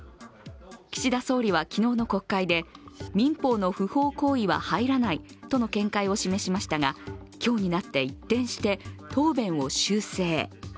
岸田総理は昨日の国会で、民法の不法行為は入らないとの見解を示しましたが、今日になって、一転して答弁を修正。